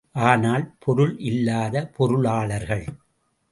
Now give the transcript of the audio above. ஆனால், பொருள் இல்லாத பொருளாளர்கள்.